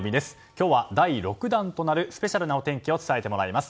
今日は第６弾となるスペシャルなお天気を伝えてもらいます。